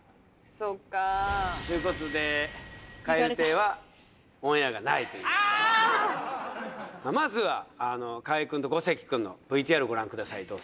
そっかということで蛙亭はオンエアがないというまずは河合君と五関君のＶＴＲをご覧ください